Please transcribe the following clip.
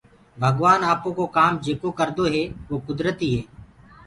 ڀگوآن آپو ڪو ڪآم جيڪو ڪردو هي وو ڪُدرتيٚ هي۔